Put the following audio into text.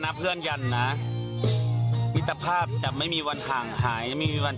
ไม่รู้ว่าไหนเราจะสิ้นใจเหมือนกัน